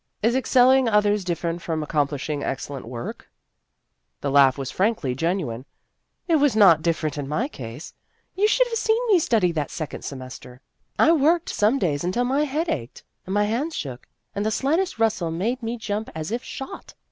" Is excelling others different from ac complishing excellent work ?" The laugh was frankly genuine. "It was not different in my case. You should have seen me study that second semester. I worked some days until my head ached, and my hands shook, and the slightest rustle made me jump as if shot.